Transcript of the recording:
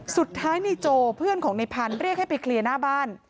สุดท้ายในโจเพื่อนของในพันธุ์เรียกให้ไปเคลียร์หน้าบ้าน